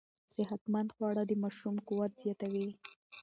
صحتمند خواړه د ماشوم قوت زیاتوي.